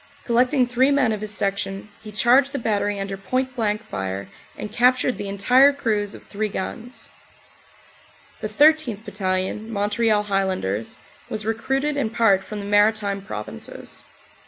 Collecting three men of his section he charged the battery under point blank fire and captured the entire crews of three guns. The 13th. Battalion, Montreal Highlanders, was recruited in part from the Maritime Provinces.